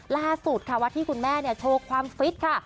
ล่าสุดค่ะวัดที่คุณแม่โชว์ความฟิตค่ะ